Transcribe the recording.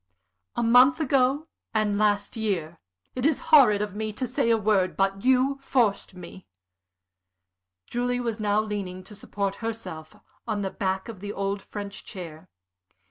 "A month ago, and last year. It is horrid of me to say a word. But you forced me." Julie was now leaning, to support herself, on the back of an old French chair.